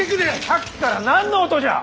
さっきから何の音じゃ！